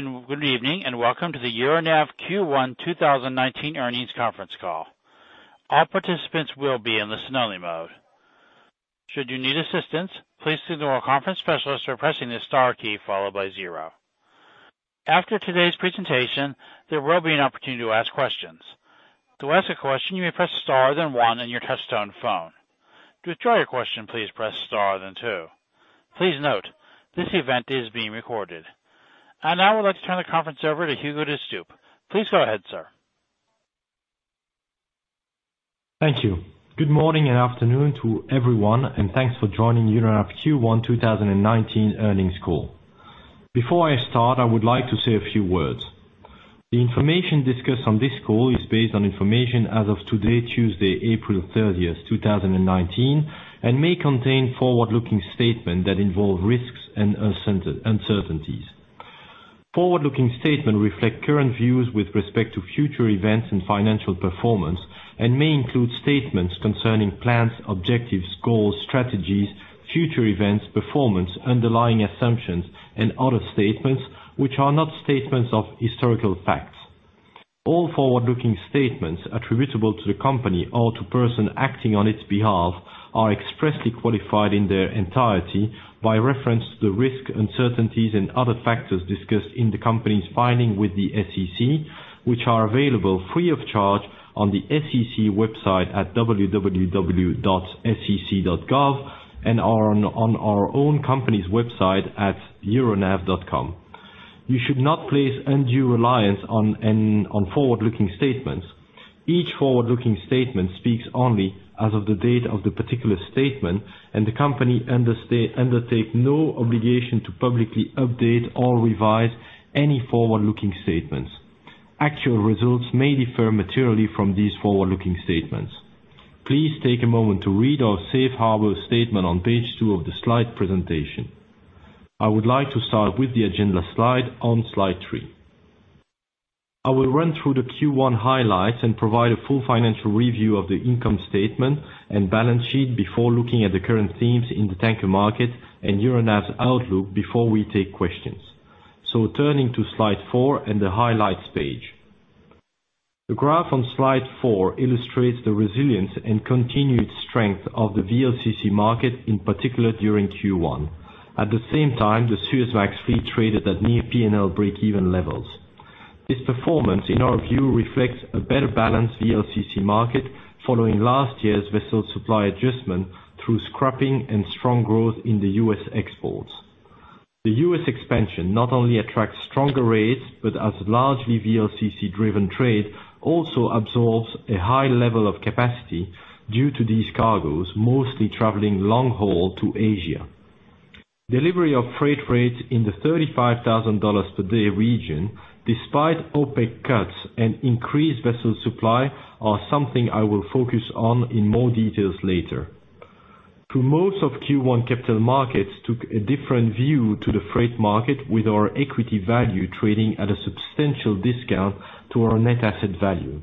Good evening, and welcome to the Euronav Q1 2019 earnings conference call. All participants will be in the listen only mode. Should you need assistance, please signal a conference specialist by pressing the star key followed by zero. After today's presentation, there will be an opportunity to ask questions. To ask a question, you may press star then one on your touchtone phone. To withdraw your question, please press star then two. Please note, this event is being recorded. Now I would like to turn the conference over to Hugo De Stoop. Please go ahead, sir. Thank you. Good morning and afternoon to everyone, thanks for joining Euronav Q1 2019 earnings call. Before I start, I would like to say a few words. The information discussed on this call is based on information as of today, Tuesday, April 30th, 2019, and may contain forward-looking statements that involve risks and uncertainties. Forward-looking statements reflect current views with respect to future events and financial performance and may include statements concerning plans, objectives, goals, strategies, future events, performance, underlying assumptions and other statements which are not statements of historical facts. All forward-looking statements attributable to the company or to person acting on its behalf are expressly qualified in their entirety by reference to the risk, uncertainties, and other factors discussed in the company's filing with the SEC, which are available free of charge on the SEC website at www.sec.gov and on our own company's website at euronav.com. You should not place undue reliance on forward-looking statements. Each forward-looking statement speaks only as of the date of the particular statement, the company undertake no obligation to publicly update or revise any forward-looking statements. Actual results may differ materially from these forward-looking statements. Please take a moment to read our safe harbor statement on page two of the slide presentation. I would like to start with the agenda slide on slide three. I will run through the Q1 highlights and provide a full financial review of the income statement and balance sheet before looking at the current themes in the tanker market and Euronav's outlook before we take questions. Turning to slide four and the highlights page. The graph on slide four illustrates the resilience and continued strength of the VLCC market, in particular during Q1. At the same time, the Suezmax fleet traded at near P&L break-even levels. This performance, in our view, reflects a better balanced VLCC market following last year's vessel supply adjustment through scrapping and strong growth in the U.S. exports. The U.S. expansion not only attracts stronger rates, but as largely VLCC-driven trade also absorbs a high level of capacity due to these cargoes mostly traveling long haul to Asia. Delivery of freight rates in the $35,000 per day region, despite OPEC cuts and increased vessel supply are something I will focus on in more details later. Through most of Q1, capital markets took a different view to the freight market with our equity value trading at a substantial discount to our net asset value.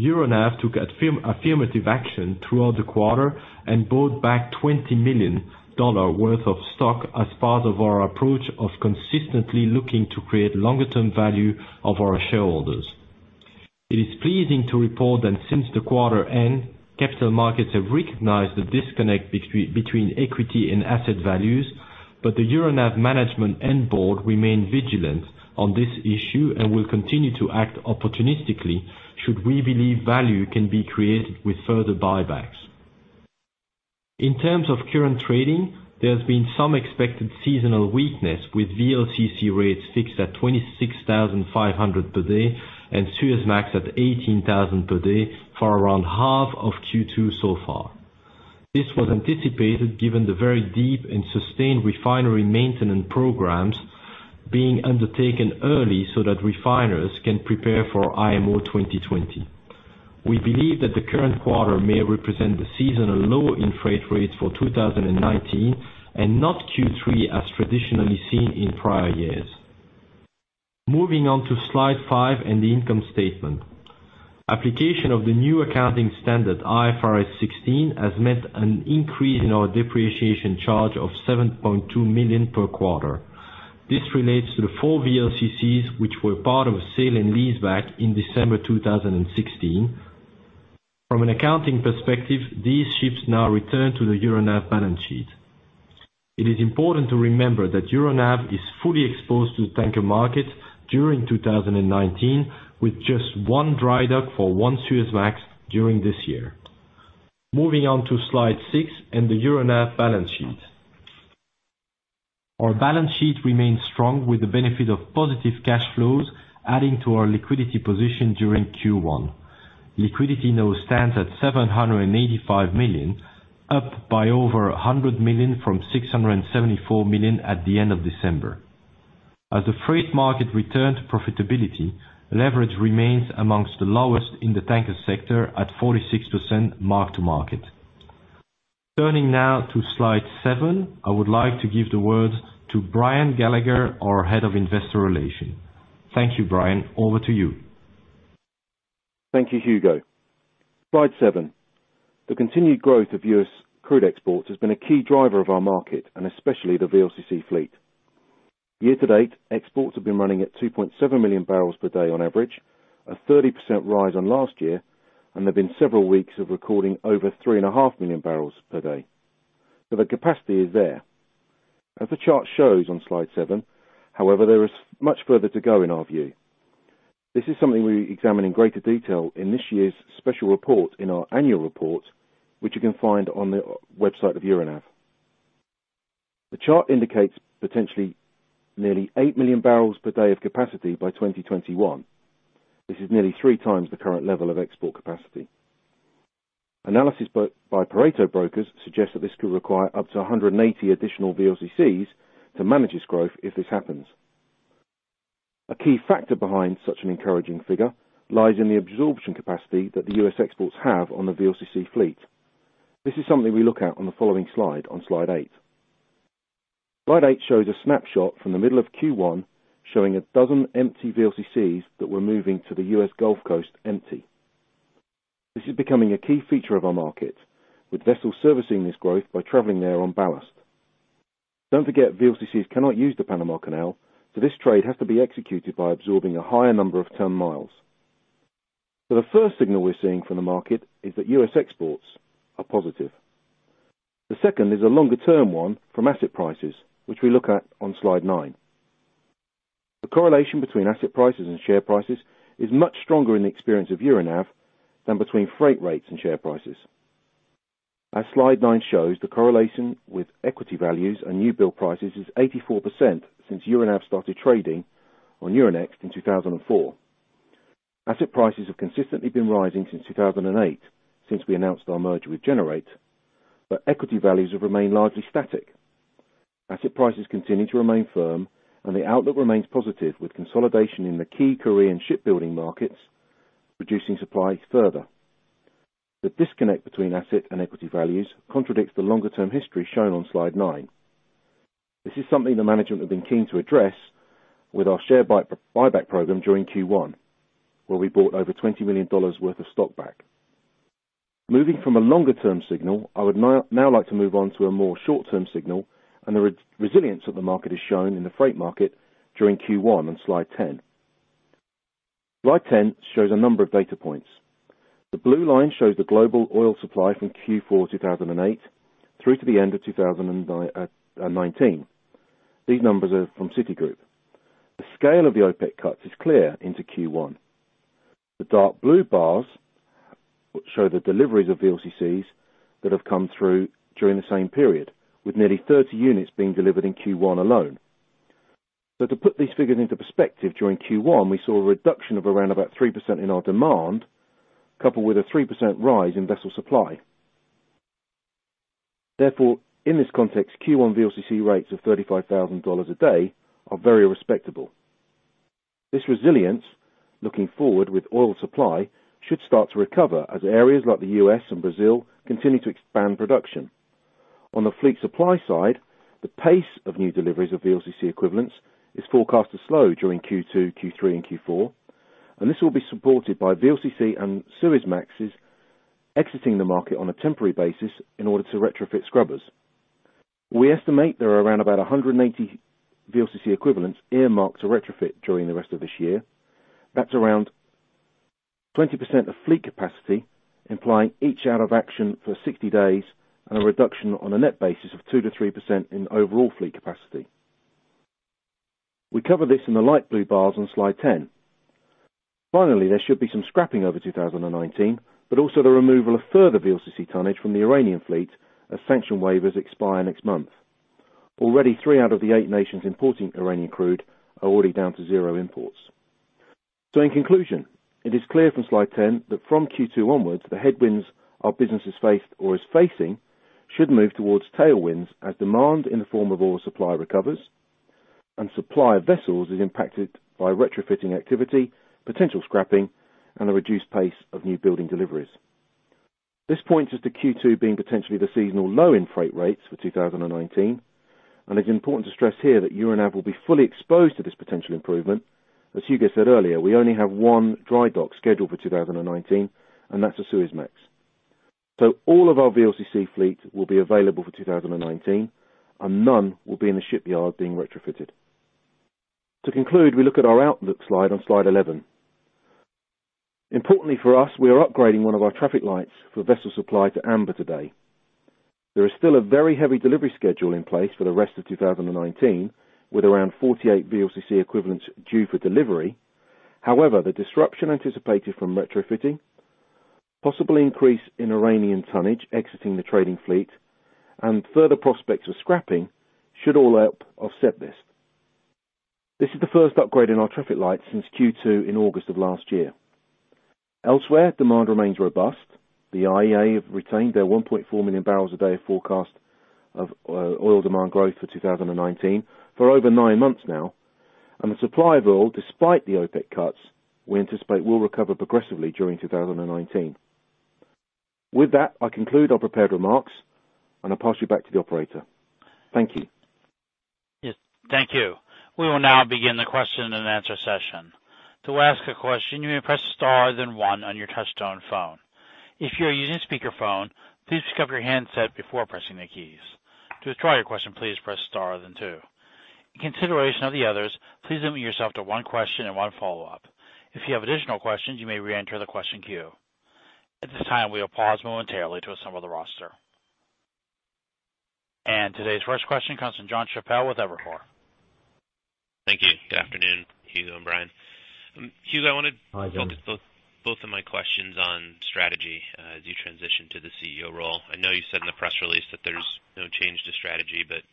Euronav took affirmative action throughout the quarter and bought back $20 million worth of stock as part of our approach of consistently looking to create longer term value of our shareholders. It is pleasing to report that since the quarter end, capital markets have recognized the disconnect between equity and asset values. The Euronav management and board remain vigilant on this issue and will continue to act opportunistically should we believe value can be created with further buybacks. In terms of current trading, there has been some expected seasonal weakness, with VLCC rates fixed at $26,500 per day and Suezmax at $18,000 per day for around half of Q2 so far. This was anticipated given the very deep and sustained refinery maintenance programs being undertaken early so that refiners can prepare for IMO 2020. We believe that the current quarter may represent the seasonal low in freight rates for 2019 and not Q3 as traditionally seen in prior years. Moving on to slide five and the income statement. Application of the new accounting standard, IFRS 16, has meant an increase in our depreciation charge of $7.2 million per quarter. This relates to the four VLCCs which were part of a sale and leaseback in December 2016. From an accounting perspective, these ships now return to the Euronav balance sheet. It is important to remember that Euronav is fully exposed to the tanker market during 2019 with just one dry dock for one Suezmax during this year. Moving on to slide six and the Euronav balance sheet. Our balance sheet remains strong with the benefit of positive cash flows adding to our liquidity position during Q1. Liquidity now stands at $785 million, up by over $100 million from $674 million at the end of December. As the freight market returned to profitability, leverage remains amongst the lowest in the tanker sector at 46% mark to market. Turning now to slide seven, I would like to give the words to Brian Gallagher, our head of investor relation. Thank you, Brian, over to you. Thank you, Hugo. Slide seven. The continued growth of U.S. crude exports has been a key driver of our market, and especially the VLCC fleet. Year to date, exports have been running at 2.7 million barrels per day on average, a 30% rise on last year, and there have been several weeks of recording over three and a half million barrels per day. The capacity is there. As the chart shows on slide seven, however, there is much further to go in our view. This is something we examine in greater detail in this year's special report in our annual report, which you can find on the website of Euronav. The chart indicates potentially nearly eight million barrels per day of capacity by 2021. This is nearly three times the current level of export capacity. Analysis by Pareto Shipbrokers suggests that this could require up to 180 additional VLCCs to manage this growth if this happens. A key factor behind such an encouraging figure lies in the absorption capacity that the U.S. exports have on the VLCC fleet. This is something we look at on the following slide, on slide eight. Slide eight shows a snapshot from the middle of Q1 showing a dozen empty VLCCs that were moving to the U.S. Gulf Coast empty. This is becoming a key feature of our market, with vessels servicing this growth by traveling there on ballast. Don't forget, VLCCs cannot use the Panama Canal, so this trade has to be executed by absorbing a higher number of ton-miles. The first signal we're seeing from the market is that U.S. exports are positive. The second is a longer-term one from asset prices, which we look at on slide nine. The correlation between asset prices and share prices is much stronger in the experience of Euronav than between freight rates and share prices. As slide nine shows, the correlation with equity values and new build prices is 84% since Euronav started trading on Euronext in 2004. Asset prices have consistently been rising since 2008, since we announced our merger with Gener8, but equity values have remained largely static. Asset prices continue to remain firm and the outlook remains positive with consolidation in the key Korean shipbuilding markets, reducing supply further. The disconnect between asset and equity values contradicts the longer-term history shown on slide nine. This is something the management have been keen to address with our share buyback program during Q1, where we bought over $20 million worth of stock back. Moving from a longer-term signal, I would now like to move on to a more short-term signal and the resilience that the market has shown in the freight market during Q1 on slide 10. Slide 10 shows a number of data points. The blue line shows the global oil supply from Q4 2008 through to the end of 2019. These numbers are from Citigroup. The scale of the OPEC cuts is clear into Q1. The dark blue bars show the deliveries of VLCCs that have come through during the same period, with nearly 30 units being delivered in Q1 alone. To put these figures into perspective, during Q1, we saw a reduction of around 3% in our demand, coupled with a 3% rise in vessel supply. Therefore, in this context, Q1 VLCC rates of $35,000 a day are very respectable. This resilience, looking forward with oil supply, should start to recover as areas like the U.S. and Brazil continue to expand production. On the fleet supply side, the pace of new deliveries of VLCC equivalents is forecast to slow during Q2, Q3, and Q4, and this will be supported by VLCC and Suezmaxes exiting the market on a temporary basis in order to retrofit scrubbers. We estimate there are around 180 VLCC equivalents earmarked to retrofit during the rest of this year. That's around 20% of fleet capacity, implying each out of action for 60 days and a reduction on a net basis of 2%-3% in overall fleet capacity. We cover this in the light blue bars on slide 10. Finally, there should be some scrapping over 2019, but also the removal of further VLCC tonnage from the Iranian fleet as sanction waivers expire next month. Already, three out of the eight nations importing Iranian crude are already down to zero imports. In conclusion, it is clear from slide 10 that from Q2 onwards, the headwinds our business has faced or is facing should move towards tailwinds as demand in the form of oil supply recovers and supply of vessels is impacted by retrofitting activity, potential scrapping, and a reduced pace of new building deliveries. This points us to Q2 being potentially the seasonal low in freight rates for 2019, and it is important to stress here that Euronav will be fully exposed to this potential improvement. As Hugo said earlier, we only have one dry dock scheduled for 2019, and that is a Suezmax. All of our VLCC fleet will be available for 2019 and none will be in the shipyard being retrofitted. To conclude, we look at our outlook slide on slide 11. Importantly for us, we are upgrading one of our traffic lights for vessel supply to amber today. There is still a very heavy delivery schedule in place for the rest of 2019, with around 48 VLCC equivalents due for delivery. However, the disruption anticipated from retrofitting, possible increase in Iranian tonnage exiting the trading fleet, and further prospects for scrapping should all help offset this. This is the first upgrade in our traffic light since Q2 in August of last year. Elsewhere, demand remains robust. The IEA have retained their 1.4 million barrels a day forecast of oil demand growth for 2019 for over nine months now. The supply of oil, despite the OPEC cuts, we anticipate will recover progressively during 2019. With that, I conclude our prepared remarks, and I will pass you back to the operator. Thank you. Yes. Thank you. We will now begin the question and answer session. To ask a question, you may press star then one on your touchtone phone. If you are using speakerphone, please pick up your handset before pressing the keys. To withdraw your question, please press star then two. In consideration of the others, please limit yourself to one question and one follow-up. If you have additional questions, you may reenter the question queue. At this time, we will pause momentarily to assemble the roster. Today's first question comes from Jon Chappell with Evercore. Thank you. Good afternoon, Hugo and Brian. Hugo, I wanted Hi, Jon. To focus both of my questions on strategy as you transition to the CEO role. I know you said in the press release that there's no change to strategy, but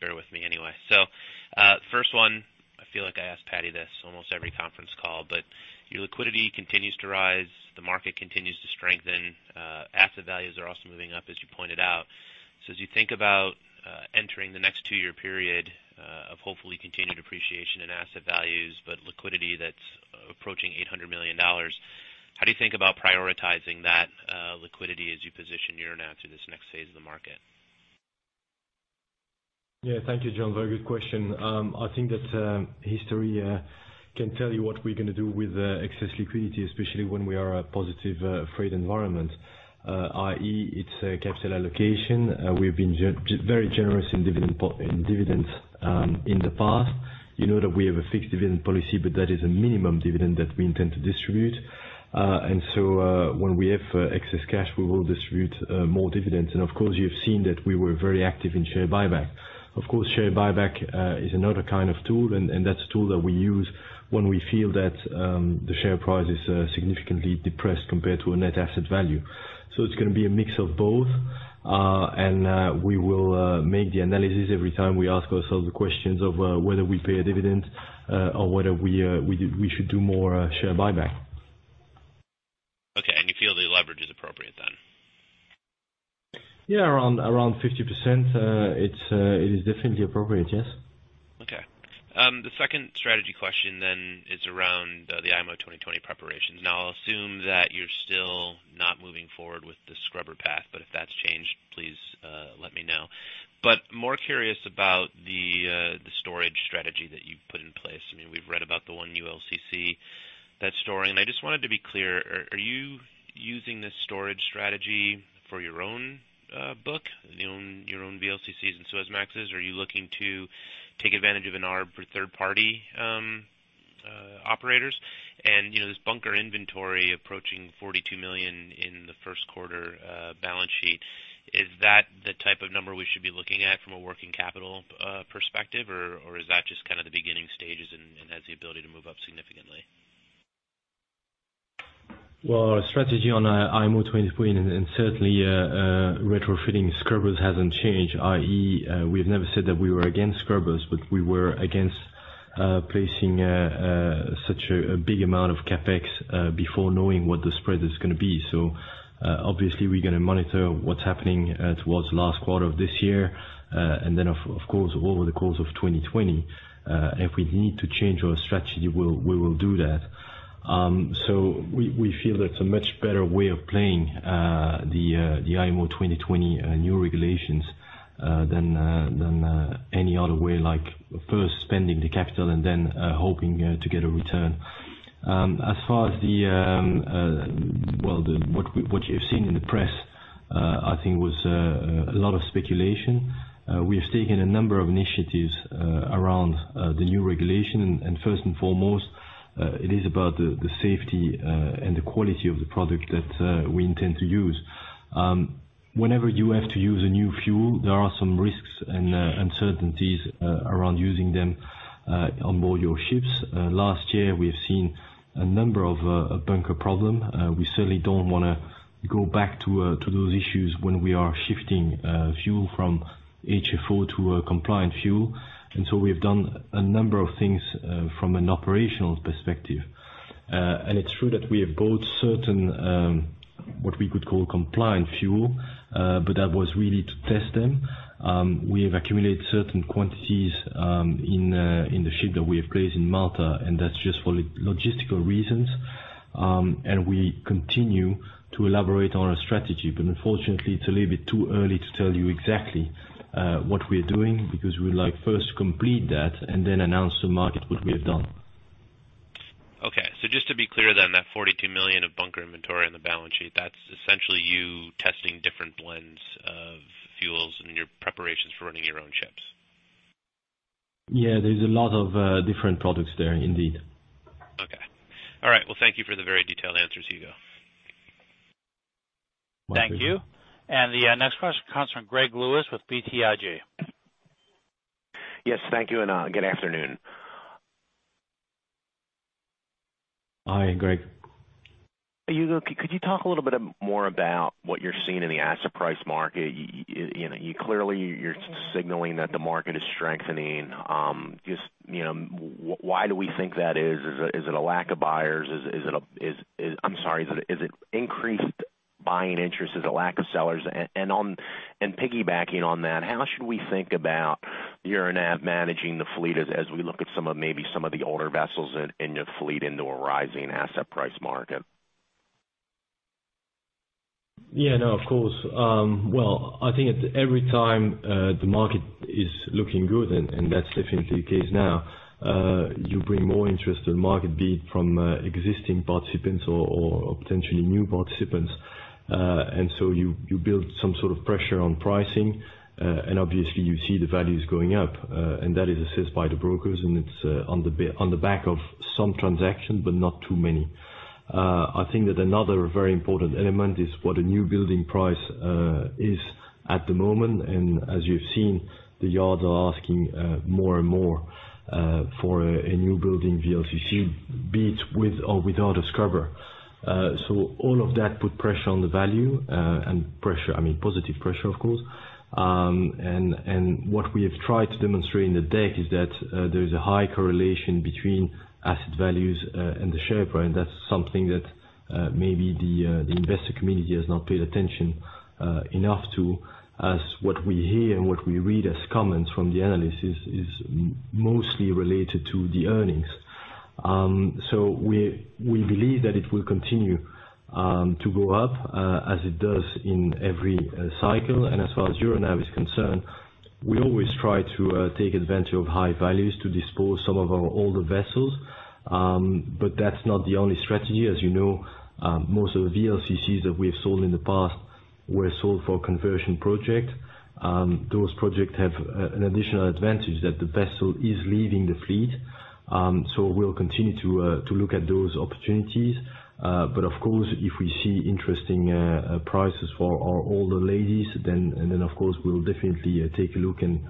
bear with me anyway. First one, I feel like I ask Paddy this almost every conference call, but your liquidity continues to rise, the market continues to strengthen. Asset values are also moving up, as you pointed out. As you think about entering the next two-year period of hopefully continued appreciation in asset values, but liquidity that's approaching $800 million, how do you think about prioritizing that liquidity as you position Euronav through this next phase of the market? Yeah. Thank you, Jon. Very good question. I think that history can tell you what we're going to do with excess liquidity, especially when we are a positive rate environment. I.e., it's a capital allocation. We've been very generous in dividends in the past. You know that we have a fixed dividend policy, but that is a minimum dividend that we intend to distribute. When we have excess cash, we will distribute more dividends. Of course, you've seen that we were very active in share buyback. Of course, share buyback is another kind of tool, and that's a tool that we use when we feel that the share price is significantly depressed compared to a net asset value. It's going to be a mix of both. We will make the analysis every time we ask ourselves the questions of whether we pay a dividend, or whether we should do more share buyback. Okay. You feel the leverage is appropriate then? Yeah. Around 50%. It is definitely appropriate, yes. Okay. The second strategy question then is around the IMO 2020 preparations. I'll assume that you're still not moving forward with the scrubber path, but if that's changed, please let me know. More curious about the storage strategy that you've put in place. We've read about the one new ULCC that's storing. I just wanted to be clear, are you using this storage strategy for your own book? Your own VLCCs and Suezmaxes? Are you looking to take advantage of an arb for third party operators? This bunker inventory approaching $42 million in the first quarter balance sheet, is that the type of number we should be looking at from a working capital perspective? Or is that just the beginning stages and has the ability to move up significantly? Well, our strategy on IMO 2020, and certainly retrofitting scrubbers hasn't changed, i.e., we've never said that we were against scrubbers, but we were against placing such a big amount of CapEx before knowing what the spread is going to be. Obviously we're going to monitor what's happening towards last quarter of this year. Then of course, over the course of 2020. If we need to change our strategy, we will do that. We feel that's a much better way of playing the IMO 2020 new regulations than any other way. Like first spending the capital and then hoping to get a return. As far as what you've seen in the press, I think there was a lot of speculation. We have taken a number of initiatives around the new regulation, first and foremost, it is about the safety and the quality of the product that we intend to use. Whenever you have to use a new fuel, there are some risks and uncertainties around using them on board your ships. Last year, we have seen a number of bunker problems. We certainly don't want to go back to those issues when we are shifting fuel from HFO to a compliant fuel. We have done a number of things from an operational perspective. It's true that we have bought certain, what we could call compliant fuel. That was really to test them. We have accumulated certain quantities in the ship that we have placed in Malta, that's just for logistical reasons. We continue to elaborate on our strategy. Unfortunately, it's a little bit too early to tell you exactly what we are doing, because we would like first to complete that, then announce to market what we have done. Okay. Just to be clear then, that 42 million of bunker inventory on the balance sheet, that's essentially you testing different blends of fuels in your preparations for running your own ships? Yeah. There's a lot of different products there, indeed. Okay. All right. Well, thank you for the very detailed answer, Hugo. My pleasure. Thank you. The next question comes from Gregory Lewis with BTIG. Yes. Thank you, and good afternoon. Hi, Greg. Hugo, could you talk a little bit more about what you're seeing in the asset price market? Clearly, you're signaling that the market is strengthening. Why do we think that is? Is it a lack of buyers? Is it increased buying interest? Is it lack of sellers? Piggybacking on that, how should we think about you're managing the fleet as we look at maybe some of the older vessels in your fleet into a rising asset price market. Yeah. No, of course. Well, I think every time the market is looking good, and that's definitely the case now, you bring more interest to the market, be it from existing participants or potentially new participants. So you build some sort of pressure on pricing, and obviously you see the values going up, and that is assessed by the brokers, and it's on the back of some transaction, not too many. I think that another very important element is what a new building price is at the moment. As you've seen, the yards are asking more and more for a new building VLCC, be it with or without a scrubber. All of that put pressure on the value, and positive pressure, of course. What we have tried to demonstrate in the deck is that there is a high correlation between asset values and the share price. That's something that maybe the investor community has not paid attention enough to, as what we hear and what we read as comments from the analysis is mostly related to the earnings. We believe that it will continue to go up as it does in every cycle. As far as Euronav is concerned, we always try to take advantage of high values to dispose some of our older vessels. That's not the only strategy. As you know, most of the VLCCs that we have sold in the past were sold for conversion project. Those projects have an additional advantage that the vessel is leaving the fleet. We'll continue to look at those opportunities. Of course, if we see interesting prices for our older ladies, then of course we'll definitely take a look and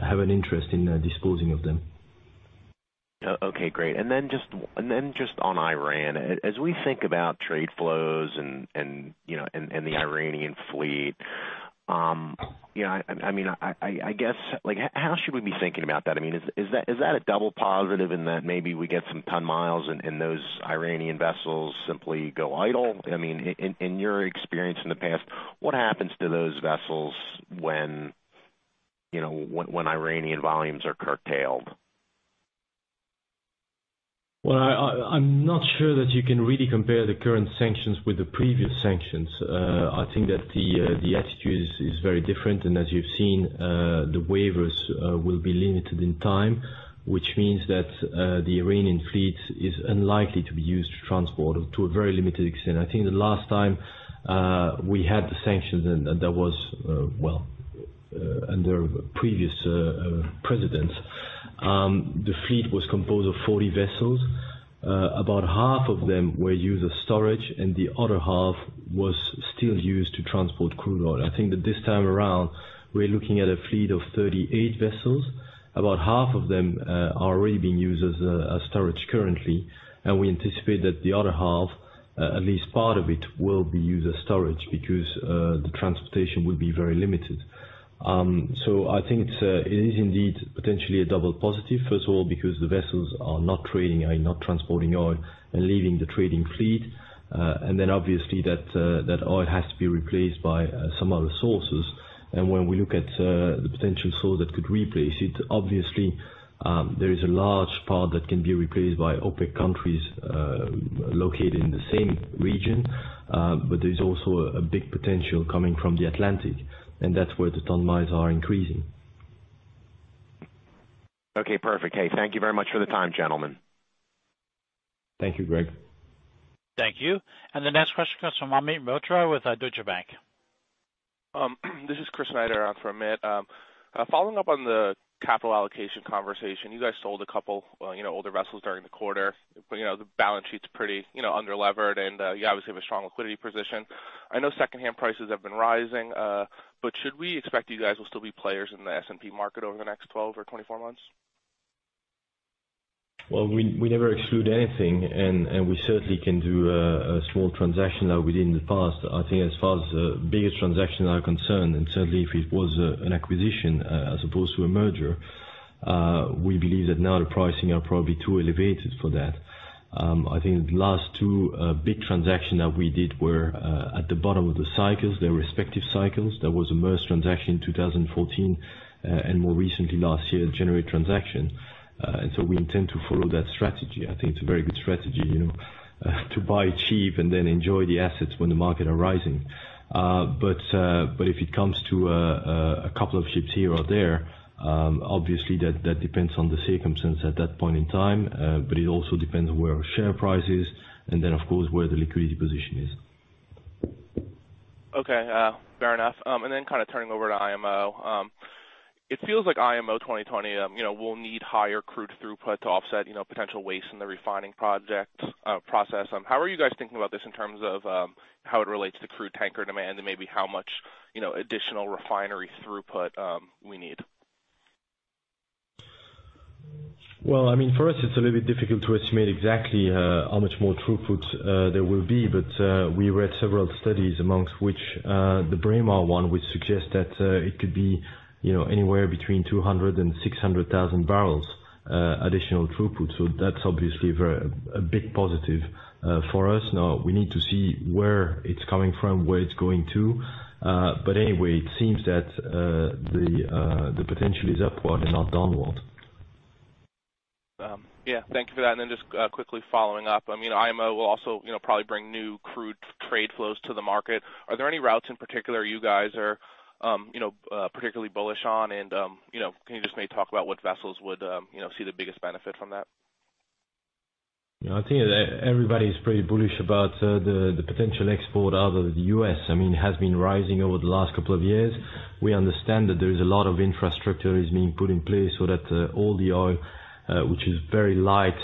have an interest in disposing of them. Okay, great. Then just on Iran, as we think about trade flows and the Iranian fleet, how should we be thinking about that? Is that a double positive in that maybe we get some ton-miles and those Iranian vessels simply go idle? In your experience in the past, what happens to those vessels when Iranian volumes are curtailed? I'm not sure that you can really compare the current sanctions with the previous sanctions. I think that the attitude is very different, and as you've seen, the waivers will be limited in time, which means that the Iranian fleet is unlikely to be used to transport or to a very limited extent. I think the last time we had the sanctions, and that was under previous presidents, the fleet was composed of 40 vessels. About half of them were used as storage, and the other half was still used to transport crude oil. I think that this time around, we are looking at a fleet of 38 vessels. About half of them are already being used as storage currently, and we anticipate that the other half, at least part of it, will be used as storage, because the transportation will be very limited. I think it is indeed potentially a double positive, first of all, because the vessels are not trading, are not transporting oil and leaving the trading fleet. Obviously, that oil has to be replaced by some other sources. When we look at the potential source that could replace it, obviously, there is a large part that can be replaced by OPEC countries located in the same region. There is also a big potential coming from the Atlantic, and that's where the ton-miles are increasing. Okay, perfect. Hey, thank you very much for the time, gentlemen. Thank you, Greg. Thank you. The next question comes from Amit Mehrotra with Deutsche Bank. This is Christopher Snyder on for Amit. Following up on the capital allocation conversation, you guys sold a couple older vessels during the quarter. The balance sheet's pretty under-levered, and you obviously have a strong liquidity position. I know secondhand prices have been rising. Should we expect you guys will still be players in the S&P market over the next 12 or 24 months? Well, we never exclude anything, and we certainly can do a small transaction like we did in the past. I think as far as the biggest transactions are concerned, and certainly if it was an acquisition as opposed to a merger, we believe that now the pricing are probably too elevated for that. I think the last two big transaction that we did were at the bottom of the cycles, their respective cycles. There was a merged transaction in 2014, and more recently last year, the January transaction. We intend to follow that strategy. I think it's a very good strategy to buy cheap and then enjoy the assets when the market are rising. If it comes to a couple of ships here or there, obviously that depends on the circumstance at that point in time. It also depends where our share price is, and then, of course, where the liquidity position is. Okay. Fair enough. Kind of turning over to IMO. It feels like IMO 2020 will need higher crude throughput to offset potential waste in the refining process. How are you guys thinking about this in terms of how it relates to crude tanker demand and maybe how much additional refinery throughput we need? For us, it's a little bit difficult to estimate exactly how much more throughput there will be. We read several studies, amongst which the Braemar one would suggest that it could be anywhere between 200,000 and 600,000 barrels additional throughput. That's obviously a big positive for us. We need to see where it's coming from, where it's going to. Anyway, it seems that the potential is upward and not downward. Thank you for that. Just quickly following up, IMO will also probably bring new crude trade flows to the market. Are there any routes in particular you guys are particularly bullish on? Can you just maybe talk about what vessels would see the biggest benefit from that? I think everybody's pretty bullish about the potential export out of the U.S. It has been rising over the last couple of years. We understand that there is a lot of infrastructure is being put in place so that all the oil, which is very light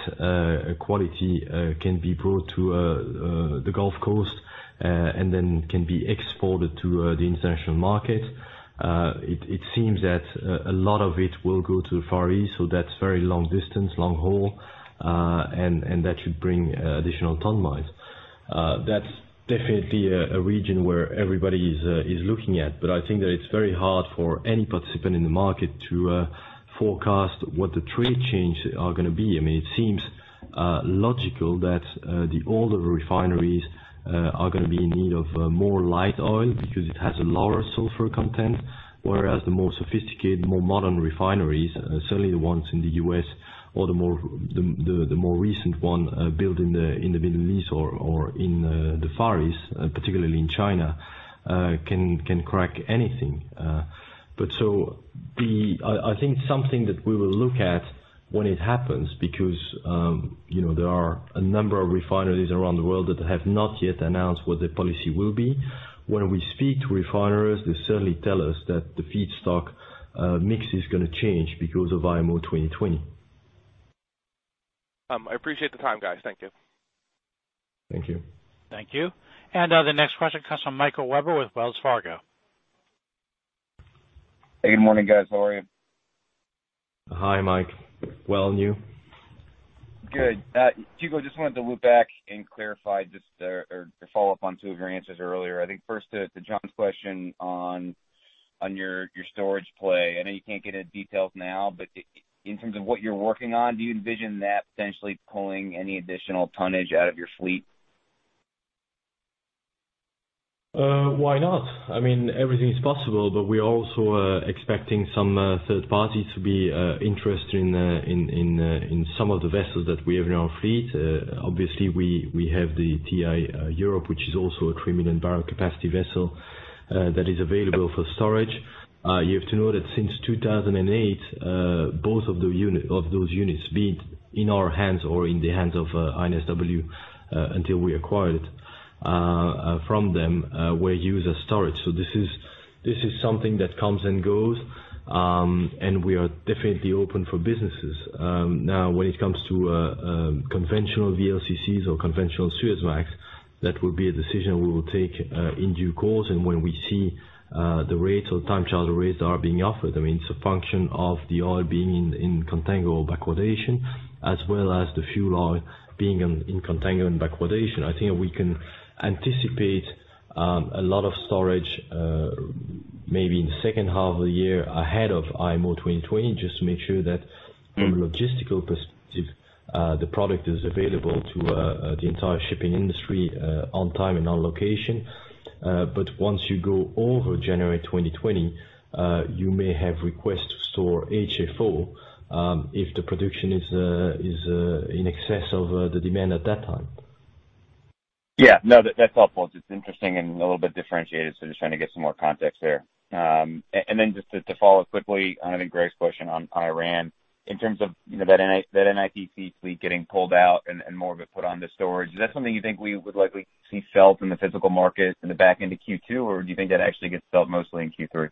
quality, can be brought to the Gulf Coast, and then can be exported to the international market. It seems that a lot of it will go to the Far East, that's very long distance, long haul, and that should bring additional ton-miles. That's definitely a region where everybody is looking at. I think that it's very hard for any participant in the market to forecast what the trade changes are going to be. It seems logical that the older refineries are going to be in need of more light oil because it has a lower sulfur content, whereas the more sophisticated, more modern refineries, certainly the ones in the U.S. or the more recent one built in the Middle East or in the Far East, particularly in China, can crack anything. I think something that we will look at when it happens, because there are a number of refineries around the world that have not yet announced what their policy will be. When we speak to refiners, they certainly tell us that the feedstock mix is going to change because of IMO 2020. I appreciate the time, guys. Thank you. Thank you. Thank you. The next question comes from Michael Webber with Wells Fargo. Hey, good morning, guys. How are you? Hi, Mike. Well, and you? Good. Hugo, just wanted to loop back and clarify or follow up on two of your answers earlier. I think first to Jon's question on your storage play. I know you can't get into details now, but in terms of what you're working on, do you envision that potentially pulling any additional tonnage out of your fleet? Why not? Everything is possible, we are also expecting some third parties to be interested in some of the vessels that we have in our fleet. Obviously, we have the TI Europe, which is also a 3 million barrel capacity vessel that is available for storage. You have to know that since 2008, both of those units, be it in our hands or in the hands of INSW until we acquired it from them, were used as storage. This is something that comes and goes, and we are definitely open for businesses. When it comes to conventional VLCCs or conventional Suezmax, that will be a decision we will take in due course and when we see the rates or time charter rates are being offered. It's a function of the oil being in contango backwardation as well as the fuel oil being in contango and backwardation. I think we can anticipate a lot of storage maybe in the second half of the year ahead of IMO 2020, just to make sure that from a logistical perspective, the product is available to the entire shipping industry on time and on location. Once you go over January 2020, you may have requests to store HFO, if the production is in excess of the demand at that time. Yeah. No, that's helpful. Interesting and a little bit differentiated, so just trying to get some more context there. To follow up quickly on, I think, Greg's question on Iran. In terms of that NITC fleet getting pulled out and more of it put onto storage, is that something you think we would likely see felt in the physical market in the back end of Q2, or do you think that actually gets felt mostly in Q3?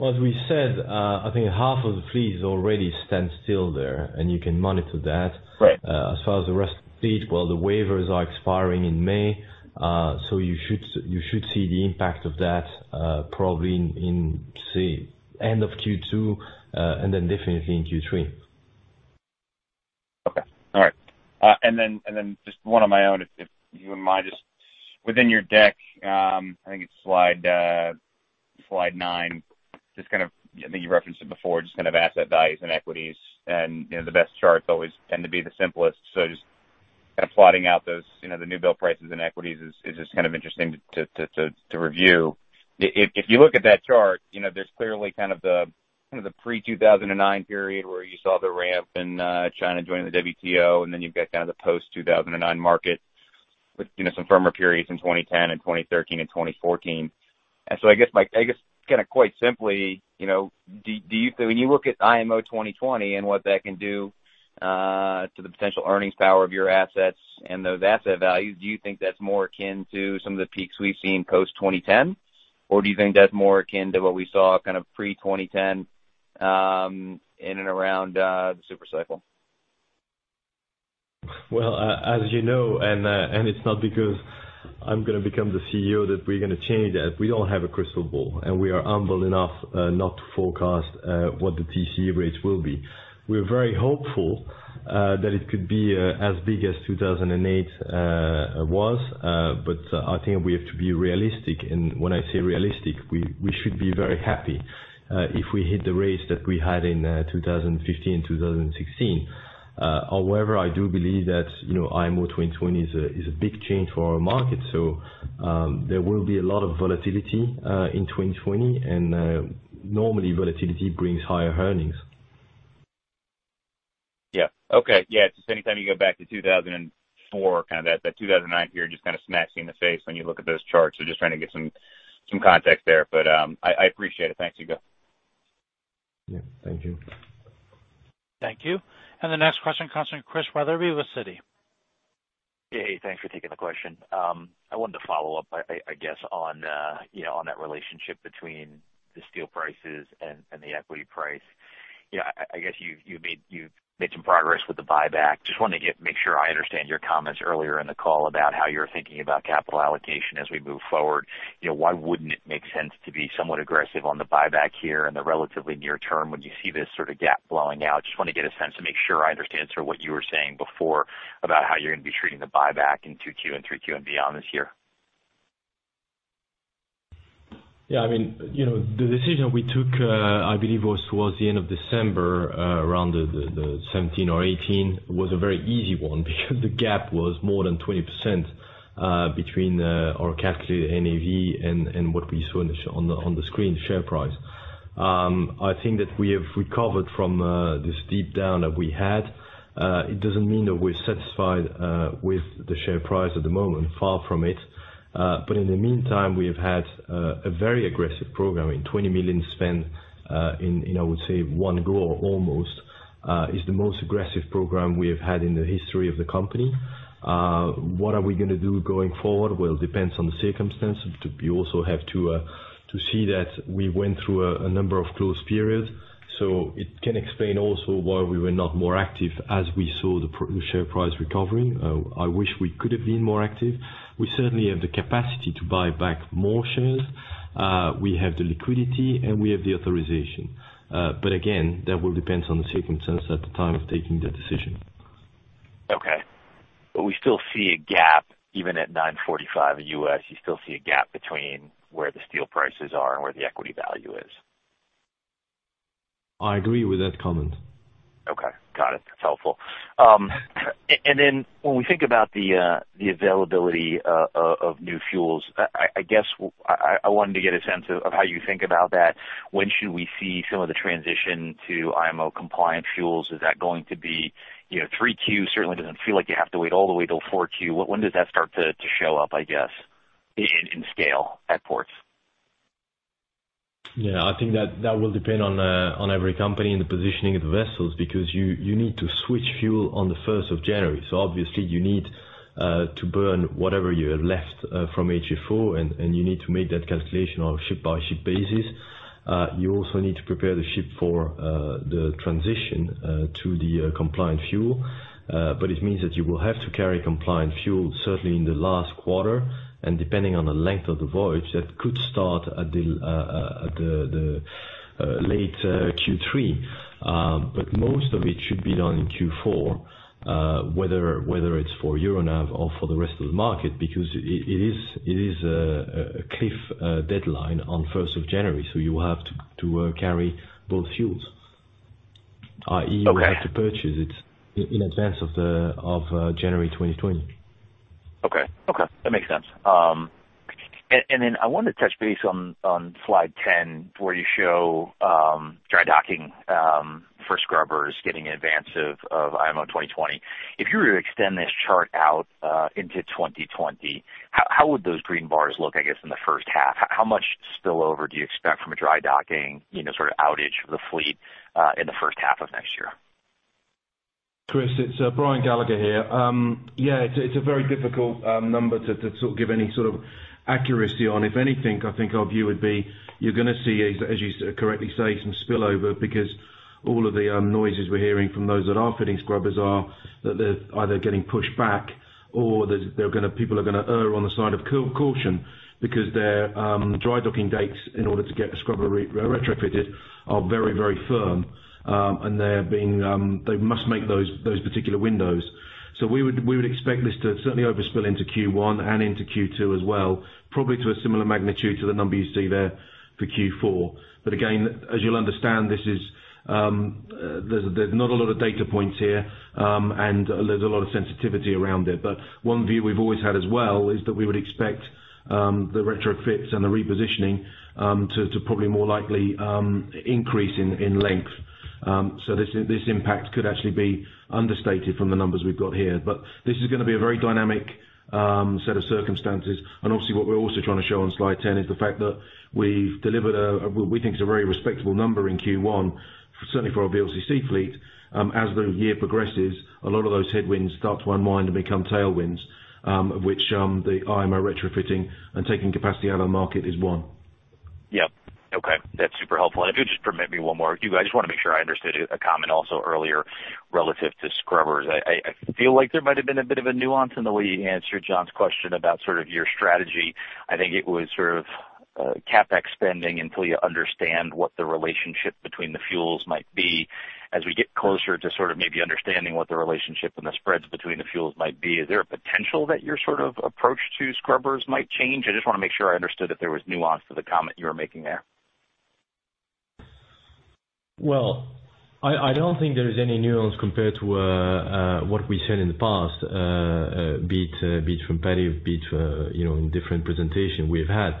Well, as we said, I think half of the fleet is already standstill there, and you can monitor that. Right. As far as the rest of the fleet, well, the waivers are expiring in May. You should see the impact of that probably in, say, end of Q2, and then definitely in Q3. Okay. All right. Just one on my own. Within your deck, I think it's slide nine, I think you referenced it before, just asset values and equities and the best charts always tend to be the simplest. Just plotting out those, the new build prices and equities is just interesting to review. If you look at that chart, there's clearly the pre-2009 period where you saw the ramp and China joining the WTO, then you've got the post-2009 market with some firmer periods in 2010 and 2013 and 2014. I guess, quite simply, when you look at IMO 2020 and what that can do to the potential earnings power of your assets and those asset values, do you think that's more akin to some of the peaks we've seen post-2010? Do you think that's more akin to what we saw pre-2010, in and around the super cycle? Well, as you know, and it's not because I'm going to become the CEO that we're going to change that. We don't have a crystal ball, and we are humble enough not to forecast what the TC rates will be. We're very hopeful that it could be as big as 2008 was. I think we have to be realistic. When I say realistic, we should be very happy if we hit the rates that we had in 2015, 2016. However, I do believe that IMO 2020 is a big change for our market. There will be a lot of volatility in 2020, and normally volatility brings higher earnings. Yeah. Okay. Yeah. Just anytime you go back to 2004, kind of that 2009 here just kind of smacks you in the face when you look at those charts. Just trying to get some context there, but I appreciate it. Thanks, Hugo. Yeah. Thank you. Thank you. The next question comes from Chris Wetherbee with Citi. Hey. Thanks for taking the question. I wanted to follow up, I guess, on that relationship between the steel prices and the equity price. I guess you've made some progress with the buyback. Just wanted to make sure I understand your comments earlier in the call about how you're thinking about capital allocation as we move forward. Why wouldn't it make sense to be somewhat aggressive on the buyback here in the relatively near term when you see this sort of gap blowing out? Just want to get a sense to make sure I understand sort of what you were saying before about how you're going to be treating the buyback in two Q and three Q and beyond this year. Yeah. The decision we took, I believe was towards the end of December, around the 17 or 18, was a very easy one because the gap was more than 20% between our calculated NAV and what we saw on the screen share price. I think that we have recovered from this deep down that we had. It doesn't mean that we're satisfied with the share price at the moment. Far from it. In the meantime, we have had a very aggressive program in 20 million spend in, I would say, one go almost, is the most aggressive program we have had in the history of the company. What are we going to do going forward? Well, it depends on the circumstances. You also have to see that we went through a number of closed periods, so it can explain also why we were not more active as we saw the share price recovering. I wish we could have been more active. We certainly have the capacity to buy back more shares. We have the liquidity, and we have the authorization. Again, that will depend on the circumstances at the time of taking that decision. Okay. We still see a gap even at $945. You still see a gap between where the steel prices are and where the equity value is. I agree with that comment. Okay. Got it. That's helpful. When we think about the availability of new fuels, I guess I wanted to get a sense of how you think about that. When should we see some of the transition to IMO compliant fuels? Is that going to be, three Q certainly doesn't feel like you have to wait all the way till four Q. When does that start to show up, I guess, in scale at ports? Yeah, I think that will depend on every company and the positioning of the vessels, because you need to switch fuel on the 1st of January. Obviously you need to burn whatever you have left from HFO, and you need to make that calculation on a ship-by-ship basis. You also need to prepare the ship for the transition to the compliant fuel. It means that you will have to carry compliant fuel certainly in the last quarter. Depending on the length of the voyage, that could start at the late Q3. Most of it should be done in Q4, whether it's for Euronav or for the rest of the market, because it is a cliff deadline on 1st of January, you will have to carry both fuels. Okay. You will have to purchase it in advance of January 2020. Okay. That makes sense. I wanted to touch base on slide 10, where you show dry docking for scrubbers getting in advance of IMO 2020. If you were to extend this chart out into 2020, how would those green bars look, I guess, in the first half? How much spillover do you expect from a dry docking sort of outage for the fleet in the first half of next year? Chris, it's Brian Gallagher here. Yeah, it's a very difficult number to sort of give any sort of accuracy on. If anything, I think our view would be you're going to see, as you correctly say, some spillover because all of the noises we're hearing from those that are fitting scrubbers are that they're either getting pushed back or that people are going to err on the side of caution because their dry docking dates in order to get the scrubber retrofitted are very firm. They must make those particular windows. We would expect this to certainly overspill into Q1 and into Q2 as well, probably to a similar magnitude to the number you see there for Q4. Again, as you'll understand, there's not a lot of data points here, and there's a lot of sensitivity around it. One view we've always had as well is that we would expect the retrofits and the repositioning to probably more likely increase in length. This impact could actually be understated from the numbers we've got here. This is going to be a very dynamic set of circumstances. Obviously what we're also trying to show on slide 10 is the fact that we've delivered what we think is a very respectable number in Q1, certainly for our VLCC fleet. As the year progresses, a lot of those headwinds start to unwind and become tailwinds, of which the IMO retrofitting and taking capacity out of the market is one. Yep. Okay. That's super helpful. If you'll just permit me one more, Hugo, I just want to make sure I understood a comment also earlier relative to scrubbers. I feel like there might have been a bit of a nuance in the way you answered Jon's question about sort of your strategy. I think it was sort of CapEx spending until you understand what the relationship between the fuels might be. As we get closer to sort of maybe understanding what the relationship and the spreads between the fuels might be, is there a potential that your sort of approach to scrubbers might change? I just want to make sure I understood that there was nuance to the comment you were making there. Well, I don't think there's any nuance compared to what we said in the past, be it from Paddy, be it in different presentation we've had.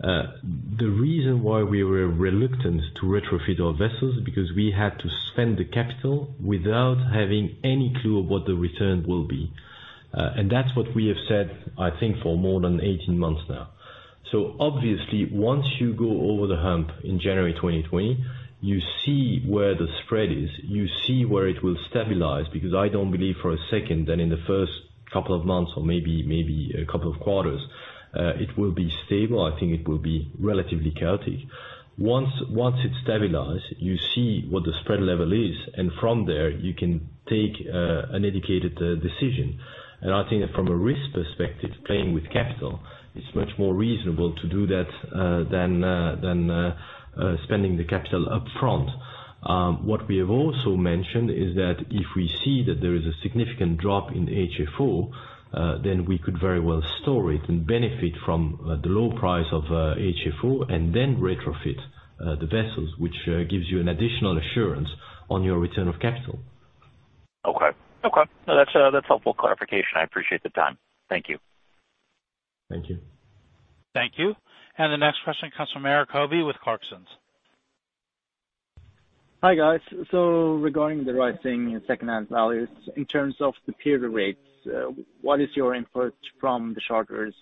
The reason why we were reluctant to retrofit our vessels is because we had to spend the capital without having any clue of what the return will be. That's what we have said, I think, for more than 18 months now. Obviously, once you go over the hump in January 2020, you see where the spread is, you see where it will stabilize, because I don't believe for a second that in the first couple of months or maybe a couple of quarters, it will be stable. I think it will be relatively chaotic. Once it stabilize, you see what the spread level is. From there, you can take an educated decision. I think that from a risk perspective, playing with capital is much more reasonable to do that than spending the capital upfront. What we have also mentioned is that if we see that there is a significant drop in HFO, then we could very well store it and benefit from the low price of HFO, and then retrofit the vessels, which gives you an additional assurance on your return of capital. Okay. No, that's helpful clarification. I appreciate the time. Thank you. Thank you. Thank you. The next question comes from Erik Hovi with Clarksons. Hi, guys. Regarding the rising secondhand values in terms of the period rates, what is your input from the charters?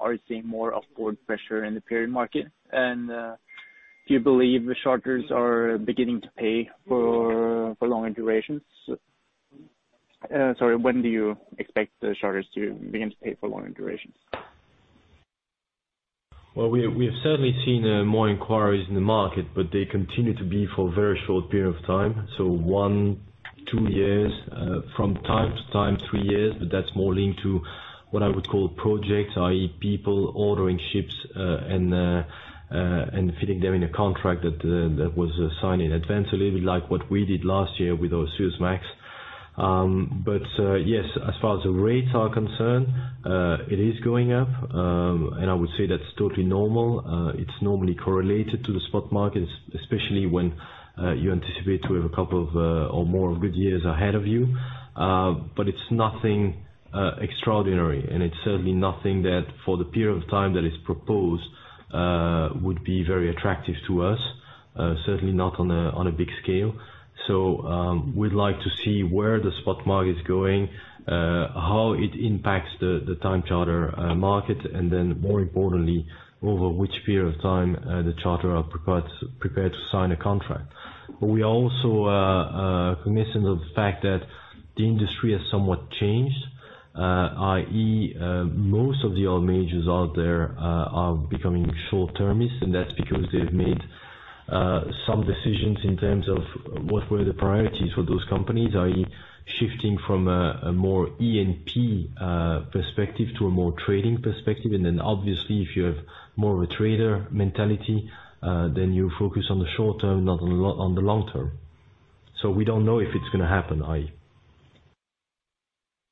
Are you seeing more upward pressure in the period market? Do you believe the charters are beginning to pay for longer durations? Sorry, when do you expect the charters to begin to pay for longer durations? We have certainly seen more inquiries in the market, they continue to be for a very short period of time. One, two years, from time to time, three years, that's more linked to what I would call projects, i.e., people ordering ships, and fitting them in a contract that was signed in advance, a little bit like what we did last year with our Suezmax. Yes, as far as the rates are concerned, it is going up. I would say that's totally normal. It's normally correlated to the spot markets, especially when you anticipate to have a couple of or more good years ahead of you. It's nothing extraordinary, and it's certainly nothing that for the period of time that it's proposed would be very attractive to us, certainly not on a big scale. We'd like to see where the spot market's going, how it impacts the time charter market, and then more importantly, over which period of time the charterers are prepared to sign a contract. We are also cognizant of the fact that the industry has somewhat changed. i.e., most of the old majors out there are becoming short-termist, and that's because they've made some decisions in terms of what were the priorities for those companies, i.e., shifting from a more E&P perspective to a more trading perspective. Obviously, if you have more of a trader mentality, then you focus on the short term, not on the long term. We don't know if it's going to happen.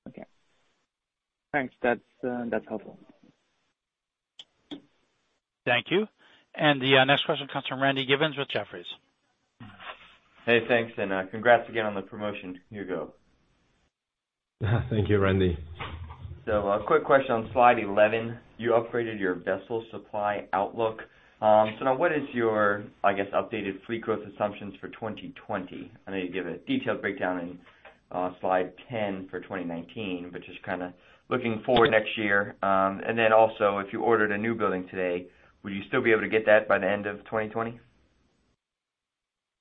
Okay. Thanks. That's helpful. Thank you. The next question comes from Randy Giveans with Jefferies. Hey, thanks, and congrats again on the promotion, Hugo. Thank you, Randy. A quick question on slide 11. You upgraded your vessel supply outlook. Now what is your, I guess, updated fleet growth assumptions for 2020? I know you give a detailed breakdown in slide 10 for 2019, but just kind of looking forward next year. Also, if you ordered a new building today, would you still be able to get that by the end of 2020?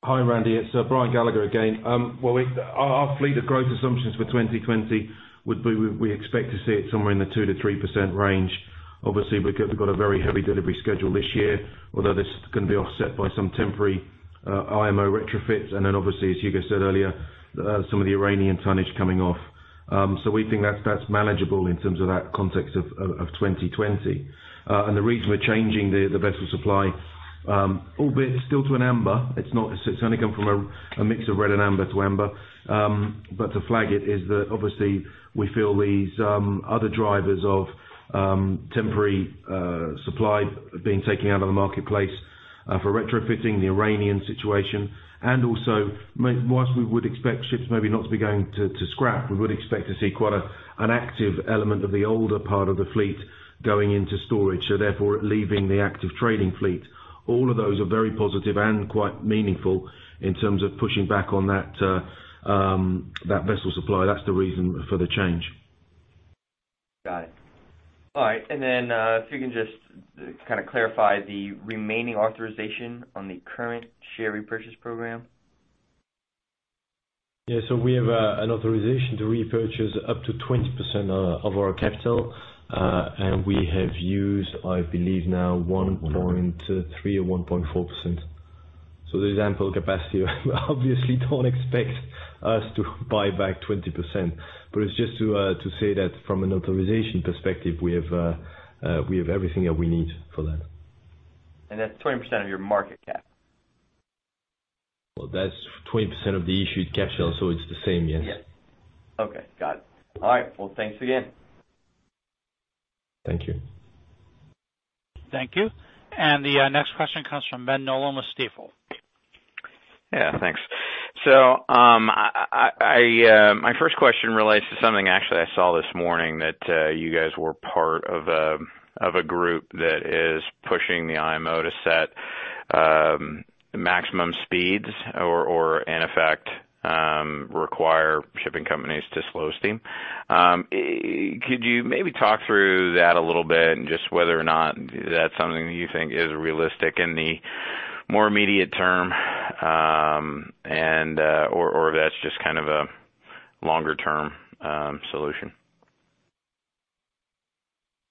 Hi, Randy. It's Brian Gallagher again. Our fleet of growth assumptions for 2020 would be, we expect to see it somewhere in the 2%-3% range. Obviously, we've got a very heavy delivery schedule this year, although this is going to be offset by some temporary IMO retrofits. Obviously, as Hugo said earlier, some of the Iranian tonnage coming off. We think that's manageable in terms of that context of 2020. The reason we're changing the vessel supply, albeit still to an amber, it's only gone from a mix of red and amber to amber. To flag it is that obviously we feel these other drivers of temporary supply being taken out of the marketplace for retrofitting the Iranian situation. Whilst we would expect ships maybe not to be going to scrap, we would expect to see quite an active element of the older part of the fleet going into storage, therefore leaving the active trading fleet. All of those are very positive and quite meaningful in terms of pushing back on that vessel supply. That's the reason for the change. Got it. All right. Then if you can just kind of clarify the remaining authorization on the current share repurchase program. Yeah. We have an authorization to repurchase up to 20% of our capital. We have used, I believe now, 1.3% or 1.4%. There is ample capacity. Obviously don't expect us to buy back 20%, it's just to say that from an authorization perspective, we have everything that we need for that. That's 20% of your market cap? Well, that's 20% of the issued capital, it's the same, yes. Yes. Okay. Got it. All right. Well, thanks again. Thank you. Thank you. The next question comes from Ben Nolan with Stifel. Yeah, thanks. My first question relates to something actually I saw this morning that you guys were part of a group that is pushing the IMO to set maximum speeds or in effect, require shipping companies to slow steam. Could you maybe talk through that a little bit and just whether or not that's something that you think is realistic in the more immediate term, or that's just a longer-term solution?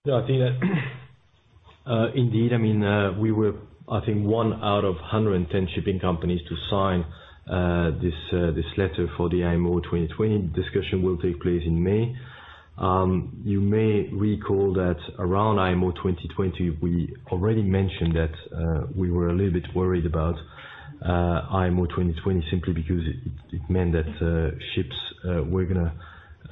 I think that indeed. We were, I think, one out of 110 shipping companies to sign this letter for the IMO 2020. Discussion will take place in May. You may recall that around IMO 2020, we already mentioned that we were a little bit worried about IMO 2020, simply because it meant that ships were going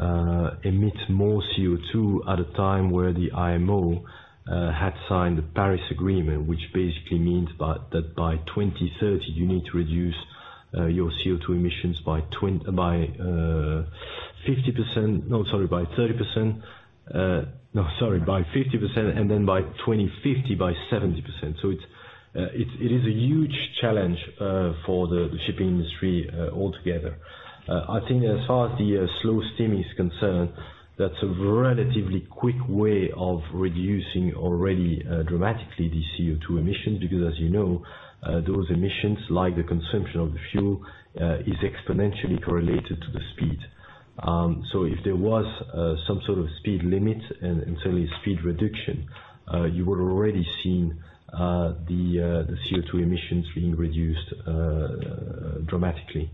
to emit more CO2 at a time where the IMO had signed the Paris Agreement, which basically means that by 2030, you need to reduce your CO2 emissions by 50%. No, sorry, by 30%. No, sorry, by 50%, and then by 2050, by 70%. It is a huge challenge for the shipping industry altogether. I think as far as the slow steam is concerned, that's a relatively quick way of reducing already dramatically the CO2 emissions, because as you know, those emissions, like the consumption of the fuel, is exponentially correlated to the speed. If there was some sort of speed limit and certainly speed reduction, you would have already seen the CO2 emissions being reduced dramatically.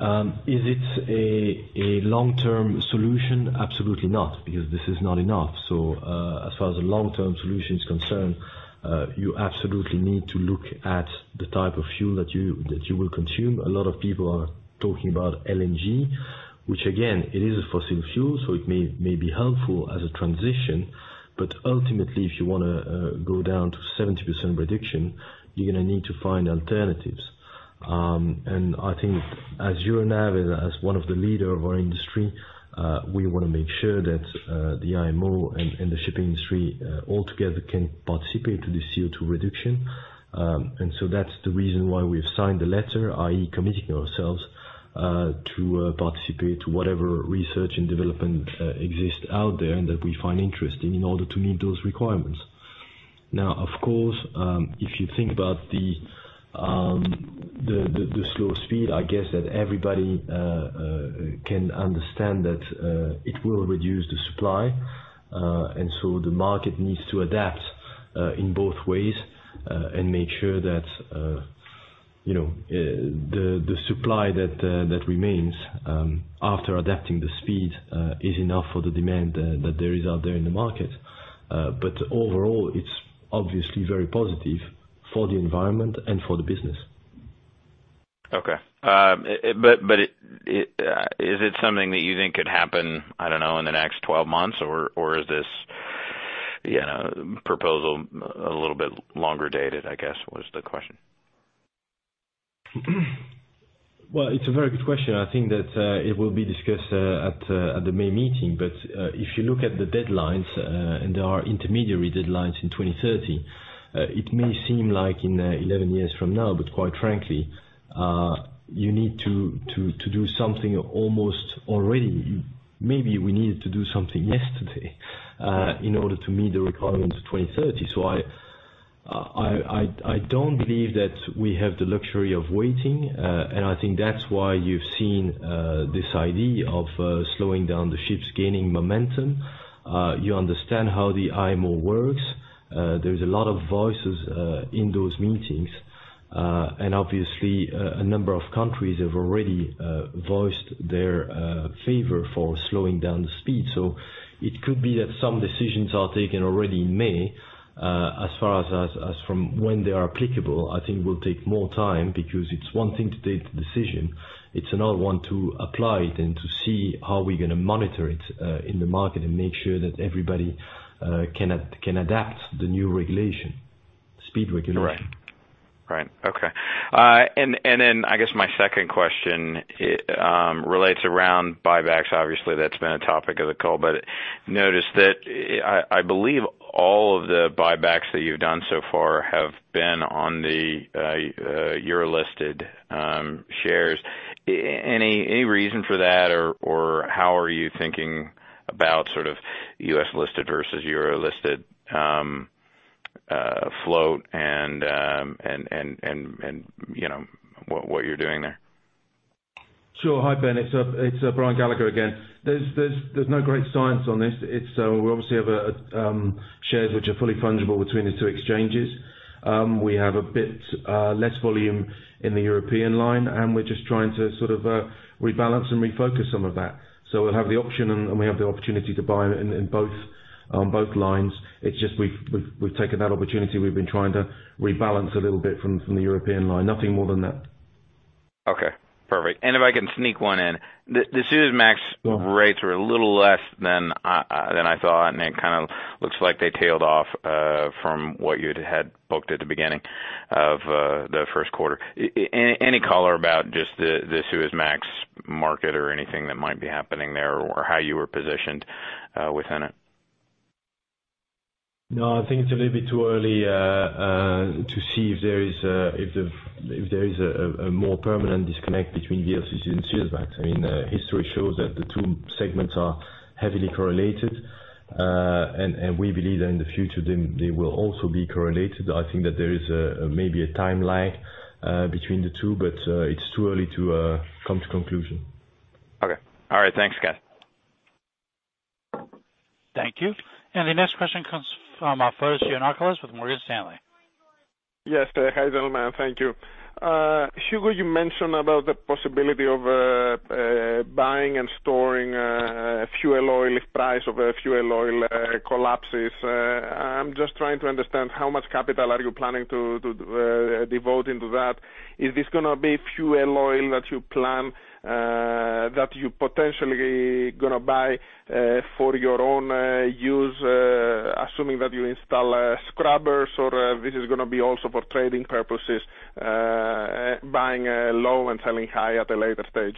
Is it a long-term solution? Absolutely not, because this is not enough. As far as a long-term solution is concerned, you absolutely need to look at the type of fuel that you will consume. A lot of people are talking about LNG, which again, it is a fossil fuel, so it may be helpful as a transition, but ultimately, if you want to go down to 70% reduction, you're going to need to find alternatives. I think as Euronav, as one of the leader of our industry, we want to make sure that the IMO and the shipping industry altogether can participate in the CO2 reduction. That's the reason why we have signed a letter, i.e., committing ourselves, to participate whatever research and development exists out there and that we find interesting in order to meet those requirements. Now, of course, if you think about the slow speed, I guess that everybody can understand that it will reduce the supply. The market needs to adapt in both ways, and make sure that the supply that remains after adapting the speed is enough for the demand that there is out there in the market. Overall, it's obviously very positive for the environment and for the business. Okay. Is it something that you think could happen, I don't know, in the next 12 months? Is this proposal a little bit longer dated, I guess, was the question. Well, it's a very good question. I think that it will be discussed at the May meeting. If you look at the deadlines, there are intermediary deadlines in 2030, it may seem like in 11 years from now, but quite frankly, you need to do something almost already. Maybe we needed to do something yesterday, in order to meet the requirements of 2030. I don't believe that we have the luxury of waiting. I think that's why you've seen this idea of slowing down the ships gaining momentum. You understand how the IMO works. There's a lot of voices in those meetings. Obviously, a number of countries have already voiced their favor for slowing down the speed. It could be that some decisions are taken already in May. As far as from when they are applicable, I think will take more time because it's one thing to take the decision, it's another one to apply it and to see how we're going to monitor it in the market and make sure that everybody can adapt the new regulation, speed regulation. Right. Okay. I guess my second question relates around buybacks. Obviously, that's been a topic of the call, notice that I believe all of the buybacks that you've done so far have been on the euro-listed shares. Any reason for that, how are you thinking about U.S.-listed versus euro-listed float, and what you're doing there? Sure. Hi, Ben, it's Brian Gallagher again. There's no great science on this. We obviously have shares which are fully fungible between the two exchanges. We have a bit less volume in the European line, we're just trying to rebalance and refocus some of that. We'll have the option and we have the opportunity to buy in both lines. It's just we've taken that opportunity. We've been trying to rebalance a little bit from the European line. Nothing more than that. Okay. Perfect. If I can sneak one in. The Suezmax rates were a little less than I thought, and it kind of looks like they tailed off, from what you had booked at the beginning of the first quarter. Any color about just the Suezmax market or anything that might be happening there, or how you were positioned within it? No, I think it's a little bit too early to see if there is a more permanent disconnect between VLCCs and Suezmax. History shows that the two segments are heavily correlated. We believe that in the future, they will also be correlated. I think that there is maybe a timeline between the two, but it's too early to come to conclusion. Okay. All right. Thanks, guys. Thank you. The next question comes from Fotis Giannakoulis with Morgan Stanley. Yes. Hi, gentlemen. Thank you. Hugo, you mentioned about the possibility of buying and storing fuel oil if price of fuel oil collapses. I'm just trying to understand how much capital are you planning to devote into that. Is this going to be fuel oil that you potentially going to buy for your own use, assuming that you install scrubbers, or this is going to be also for trading purposes, buying low and selling high at a later stage?